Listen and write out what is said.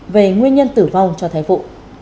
về nguyên nhân tử vong cho thai phụ